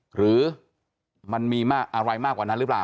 หรือมันมีอะไรมากกว่านั้นหรือเปล่า